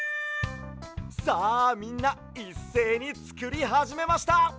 さあみんないっせいにつくりはじめました！